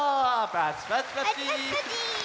パチパチパチー！